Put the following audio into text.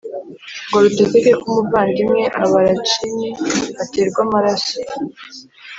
ngo rutegeke ko umuvandimwe Albarracini aterwa amaraso